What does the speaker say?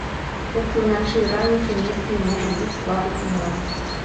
Толькі ўначы і раніцай месцамі можа быць слабы туман.